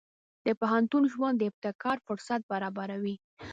د پوهنتون ژوند د ابتکار فرصت برابروي.